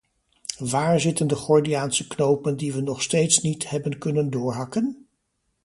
Waar zitten de gordiaanse knopen die we nog steeds niet hebben kunnen doorhakken?